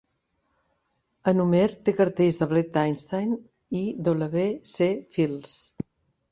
En Homer té cartells d'Albert Einstein i W. C. Fields.